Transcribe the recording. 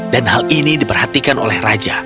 dan hal ini diperhatikan oleh raja